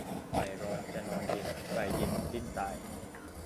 ใฝ่ร้อนจะนอนเย็น ใฝ่เย็นจะดิ้นตาย